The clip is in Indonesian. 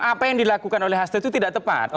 apa yang dilakukan oleh hasto itu tidak tepat